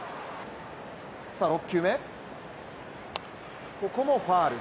さあ、６球目、ここもファウル。